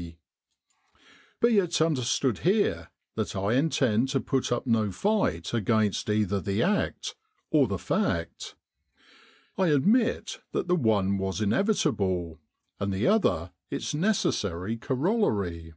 C. Be it understood here that I intend to put up no fight against either the act or the fact. I admit that the one was inevitable, and the other its necessary corol lary.